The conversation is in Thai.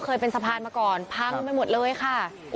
เคยเป็นสะพานมาก่อนพังไปหมดเลยค่ะ